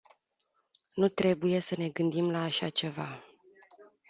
Nu trebuie să ne gândim la așa ceva.